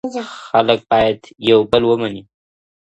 خلګ بايد يو بل ومني.